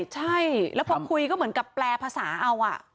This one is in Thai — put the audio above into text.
ใช่แล้วพอคุยก็เหมือนกับแปลภาษาเอา